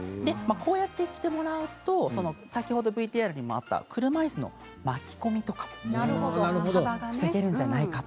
こうやって着てもらうと先ほどＶＴＲにあった車いすの巻き込みとか防ぐことができるんじゃないかと。